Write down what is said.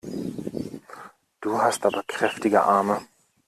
Du hast aber kräftige Arme!